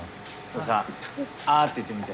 「あ」って言ってみて。